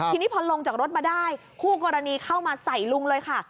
ทีนี้พอลงจากรถมาได้คู่กรณีเข้ามาใส่ลุงเลยค่ะ